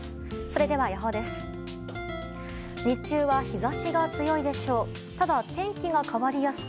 それでは予報です。